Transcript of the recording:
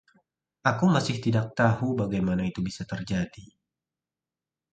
Aku masih tidak tahu bagaimana itu bisa terjadi.